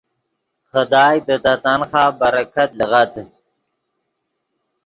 خدائے دے تے تنخواہ برکت لیغد۔